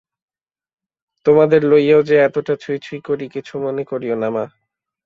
তোমাদের লইয়াও যে এতটা ছুঁই-ছুঁই করি, কিছু মনে করিয়ো না মা।